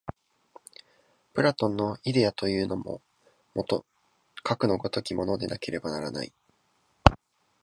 プラトンのイデヤというのも、もとかくの如きものでなければならない。